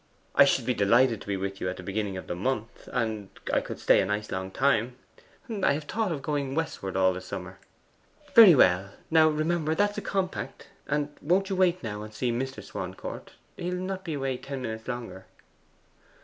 I should be delighted to be with you at the beginning of that month; and I could stay a nice long time. I have thought of going westward all the summer.' 'Very well. Now remember that's a compact. And won't you wait now and see Mr. Swancourt? He will not be away ten minutes longer.